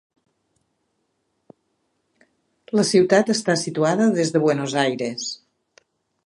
La ciutat està situada des de Buenos Aires.